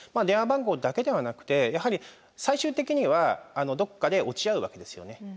電話番号だけではなくてやはり最終的にはどっかで落ち合うわけですよね。